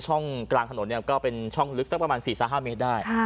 ช่องกลางถนนเนี่ยก็เป็นช่องลึกสักประมาณสี่สามห้าเมตรได้ฮะ